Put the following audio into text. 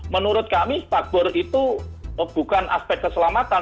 menurut kami spadbor itu bukan aspek keselamatan